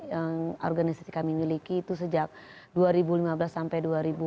yang organisasi kami miliki itu sejak dua ribu lima belas sampai dua ribu lima belas